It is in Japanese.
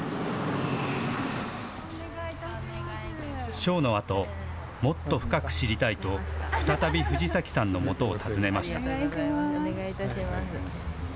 ショーのあと、もっと深く知りたいと、再び藤崎さんのもとを訪ねました。